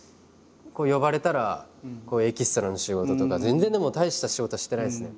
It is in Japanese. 呼ばれたらエキストラの仕事とか。全然でも大した仕事はしてないですね。